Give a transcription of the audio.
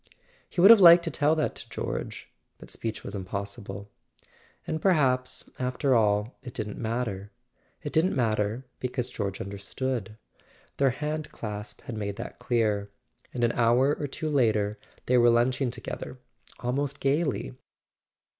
He would have liked to tell that to George; but speech was impossible. And perhaps, after all, it didn't matter; it didn't matter, because George understood. Their hand clasp had made that clear, and an hour or two later they were lunching together almost gaily.